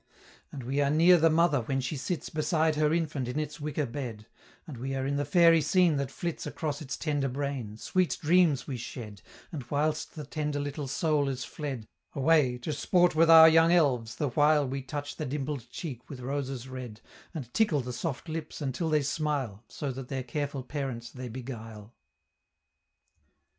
"And we are near the mother when she sits Beside her infant in its wicker bed; And we are in the fairy scene that flits Across its tender brain: sweet dreams we shed, And whilst the tender little soul is fled, Away, to sport with our young elves, the while We touch the dimpled cheek with roses red, And tickle the soft lips until they smile, So that their careful parents they beguile."